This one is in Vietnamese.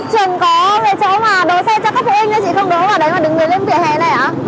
trường có về chỗ mà đỗ xe cho các phụ huynh chứ chị không đối vào đấy mà đứng lên vỉa hè này hả